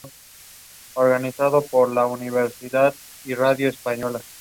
Cristiano Ronaldo vuelve a ser el protagonista global en esta entrega.